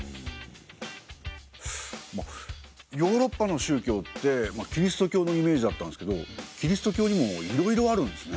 まあヨーロッパの宗教ってキリスト教のイメージだったんすけどキリスト教にもいろいろあるんですね。